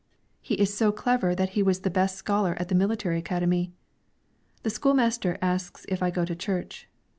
He is so clever that he was the best scholar at the military academy. The school master asks if I go to church.